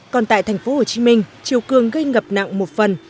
còn tại thành phố hồ chí minh triều cường gây ngập nặng một phần